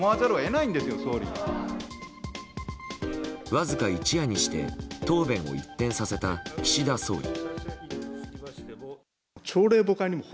わずか一夜にして答弁を一転させた岸田総理。